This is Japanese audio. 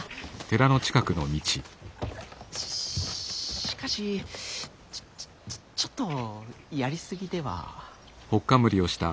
ししかしちょっちょっちょっとやり過ぎでは？